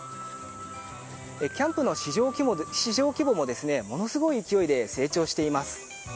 キャンプの市場規模もものすごい勢いで成長しています。